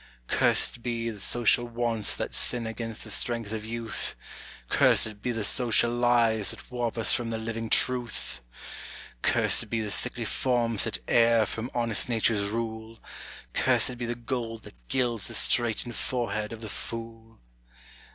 Cursed be the social wants that sin against the strength of youth! Cursed be the social lies that warp us from the living truth! Cursed be the sickly forms that err from honest nature's rule Cursed be the gold that gilds the straitened forehead of the fool!